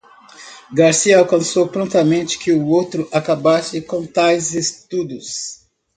Garcia alcançou prontamente que o outro acabasse com tais estudos.